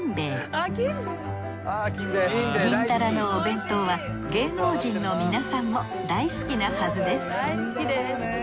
銀だらのお弁当は芸能人の皆さんも大好きなはずです。